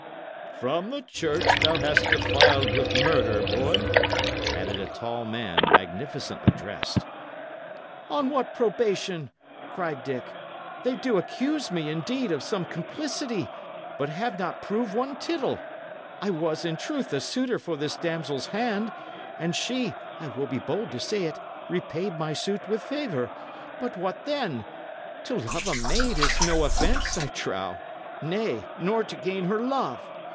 "From the church thou hast defiled with murder, boy," added a tall man, magnificently dressed. "On what probation?" cried Dick. "They do accuse me, indeed, of some complicity, but have not proved one tittle. I was, in truth, a suitor for this damsel's hand; and she, I will be bold to say it, repaid my suit with favour. But what then? To love a maid is no offence, I trow nay, nor to gain her love.